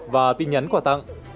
và tin nhắn quả tặng